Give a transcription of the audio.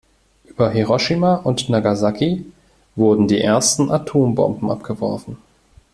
Über Hiroshima und Nagasaki wurden die ersten Atombomben abgeworfen.